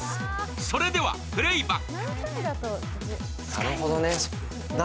それではプレーバック！